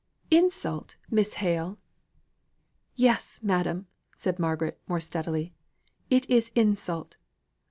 "Insult, Miss Hale!" "Yes, madam," said Margaret more steadily, "it is insult.